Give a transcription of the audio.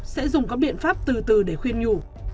sẽ dùng có biện pháp từ từ để khuyên nhủ